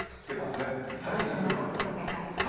すごいいろんなとこで紹介してはるしね。